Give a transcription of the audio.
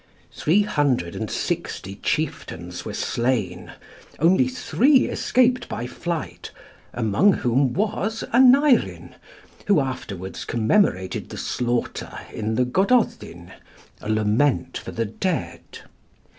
Three hundred and sixty chieftains were slain; only three escaped by flight, among whom was Aneurin, who afterwards commemorated the slaughter in the 'Gododin,' a lament for the dead.